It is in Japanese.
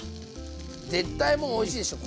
絶対もうおいしいでしょ！